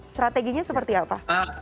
strateginya seperti apa